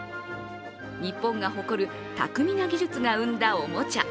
日本が誇る巧みな技術が生んだおもちゃ。